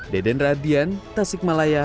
deden radian tasik malayan